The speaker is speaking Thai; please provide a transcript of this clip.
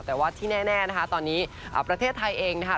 แต่ว่าที่แน่นะคะตอนนี้ประเทศไทยเองนะคะ